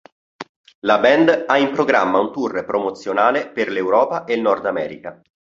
La band ha in programma un tour promozionale per l'Europa e il Nord America.